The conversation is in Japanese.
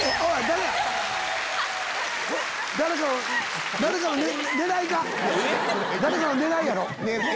誰かの狙いやろ？